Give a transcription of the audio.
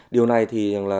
điều này thì